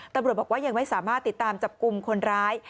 ตำรวจบอกว่ายังไม่สามารถติดตามจับกลุ่มคนร้าย